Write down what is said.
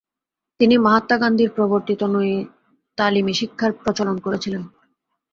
তিনি মহাত্মা গান্ধীর প্রবর্তিত নয়ী তালীমী শিক্ষার প্রচলন করেছিলেন।